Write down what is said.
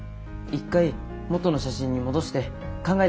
一回元の写真に戻して考えてみよう。